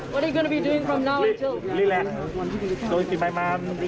ไม่รู้แก้วสาวไหน